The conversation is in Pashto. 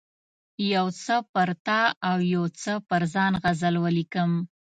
یو څه پر تا او یو څه پر ځان غزل ولیکم.